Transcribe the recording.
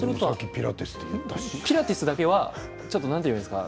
ピラティスだけはちょっとなんていうんですかね